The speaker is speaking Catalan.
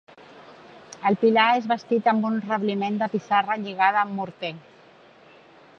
El pilar és bastit amb un rebliment de pissarra lligada amb morter.